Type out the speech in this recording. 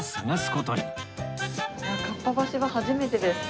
かっぱ橋は初めてです。